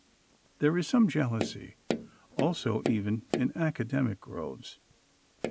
There is some jealousy also even in academic groves.